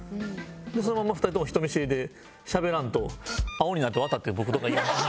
そのまんま２人とも人見知りでしゃべらんと青になって渡って僕どっか行きました。